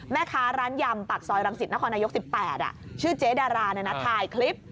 แม่ค้าร้านยำปากซอยรังสิตนครนายก๑๘ชื่อเจ๊ดาราถ่ายคลิป